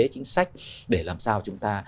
chính sách để làm sao chúng ta